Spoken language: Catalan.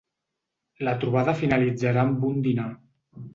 La trobada finalitzarà amb un dinar.